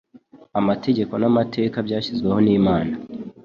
Amategeko n'amateka byashyizweho n'Imana